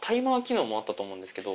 あったと思うんですけど。